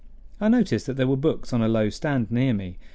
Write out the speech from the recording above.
I noticed that there were books on a low stand near me.